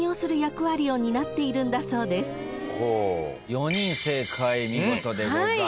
４人正解見事でございます。